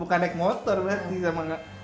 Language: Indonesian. bukan naik motor berarti sama nggak